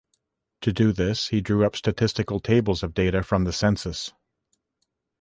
To do this, he drew up statistical tables of data from the census.